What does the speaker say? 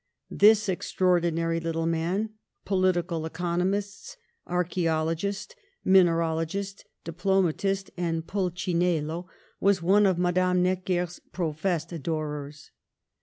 This extraordinary little man, political econo mist, archaeologist, mineralogist, diplomatist and pulcinello, was one of Madame Necker's pro fessed adorers.